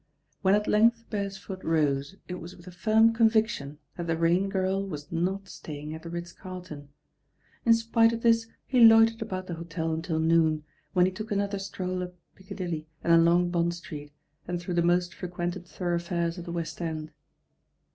When at length Beresford rose, it was with the firm conviction that the Rain Girl was not staying at the Ritz Carlton. In spite of this he loitered •bout the hotel until noon, when he took another stroll up Piccadilly and along Bond Street, and through the most frequented thoroughfares of the West End.